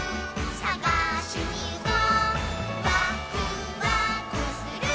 さがしにいこう」「わくわくするきもち」